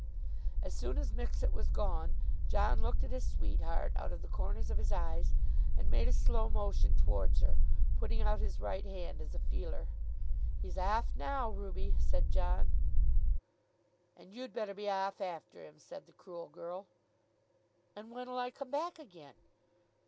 As soon as Mixet was gone John looked at his sweetheart out of the corners of his eyes and made a slow motion towards her, putting out his right hand as a feeler. "He's aff now, Ruby," said John. "And you'd better be aff after him," said the cruel girl. "And when'll I come back again?"